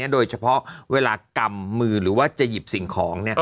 โดยเฉพาะเวลากำมือหรือว่าจะหยิบสิ่งของ